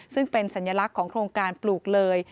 ซึ่งเป็นสัญลักษณ์ของโครงการปลูกเลย